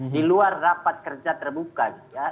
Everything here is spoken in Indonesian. di luar rapat kerja terbuka gitu ya